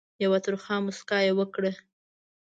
یوه ترخه مُسکا یې وکړه.